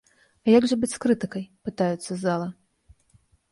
А як жа быць з крытыкай, пытаюцца з залы.